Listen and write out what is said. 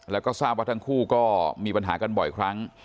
แล้วก็ทราบว่าทั้งคู่ก็มีปัญหากันบ่อยครั้ง